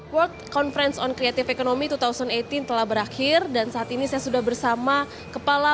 world conference on creative economy dua ribu delapan belas telah berakhir dan saat ini saya sudah bersama kepala